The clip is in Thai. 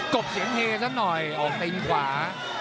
กบเสียงเฮซักหน่อยออกไปถึงขวา